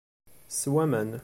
Ssew aman.